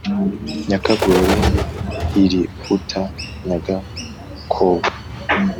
Nyakagore iriuta nyagakobwa